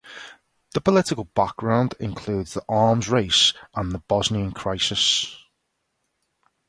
The political background includes the arms race and the Bosnian Crisis.